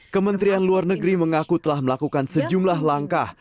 kementerian luar negeri mengaku telah melakukan sejumlah langkah